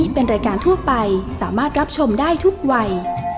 โปรดติดตามตอนต่อไป